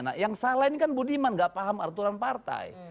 nah yang salah ini kan budiman gak paham aturan partai